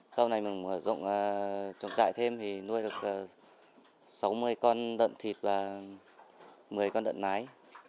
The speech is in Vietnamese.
sau này mình dùng chuồng trại thêm thì nuôi được sáu mươi con đợn thịt và một mươi con đợn nái